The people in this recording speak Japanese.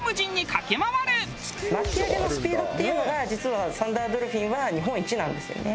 巻き上げのスピードっていうのが実はサンダードルフィンは日本一なんですよね。